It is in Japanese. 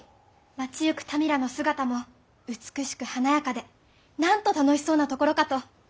街ゆく民らの姿も美しく華やかでなんと楽しそうなところかと！